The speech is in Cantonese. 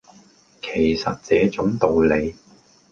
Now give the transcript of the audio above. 其實這種道理